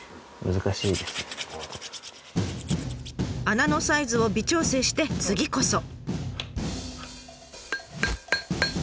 穴のサイズを微調整して次こそ。